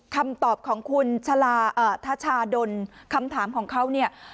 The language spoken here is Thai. คำตอบของคุณทชาดลคำถามของเขาเนี่ย